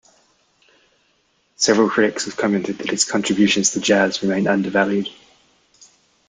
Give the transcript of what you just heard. Several critics have commented that his contribution to jazz remains undervalued.